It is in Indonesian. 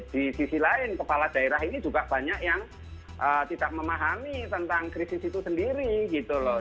di sisi lain kepala daerah ini juga banyak yang tidak memahami tentang krisis itu sendiri gitu loh